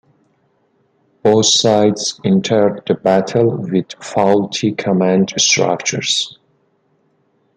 Both sides entered the battle with faulty command structures.